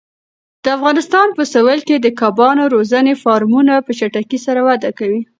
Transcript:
د افغانستان په سویل کې د کبانو روزنې فارمونه په چټکۍ سره وده کوي.